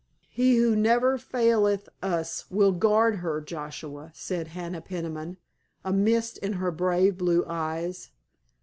"He who never faileth us will guard her, Joshua," said Hannah Peniman, a mist in her brave blue eyes.